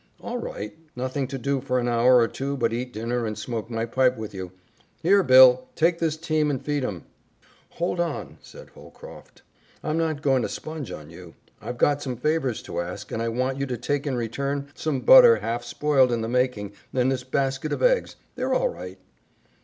"All right. Nothing to do for an hour or two but eat dinner and smoke my pipe with you. Here, Bill! Take this team and feed 'em." "Hold on," said Holcroft, "I'm not going to sponge on you. I've got some favors to ask, and I want you to take in return some butter half spoiled in the making and this basket of eggs. They're all right."